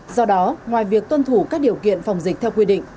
do đó ngoài việc tuân thủ các điều kiện phòng dịch theo quy định